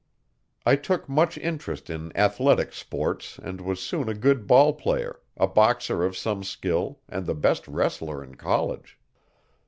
I took much interest in athletic sports and was soon a good ball player, a boxer of some skill, and the best wrestler in college.